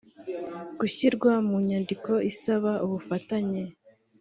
Gushyirwa mu nyandiko isaba ubufatanye